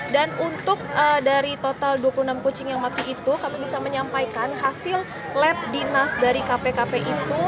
dan untuk dari total dua puluh enam kucing yang mati itu kami bisa menyampaikan hasil lab dinas dari kpkp itu